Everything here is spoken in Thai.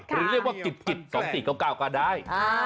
หรือเรียกว่ากิจ๒๔๙๙ก็ได้